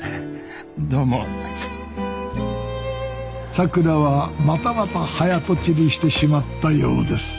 さくらはまたまた早とちりしてしまったようです。